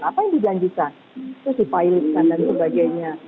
apa yang dijanjikan terus dipainitkan dan sebagainya